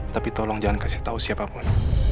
tapi tolong jangan kasih tahu siapapun